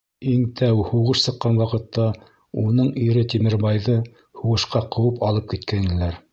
Иң тәү һуғыш сыҡҡан ваҡытта, уның ире Тимербайҙы һуғышҡа ҡыуып алып киткәйнеләр.